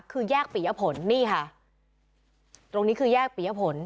คือแยกปียะผลนี่ค่ะตรงนี้คือแยกปียผล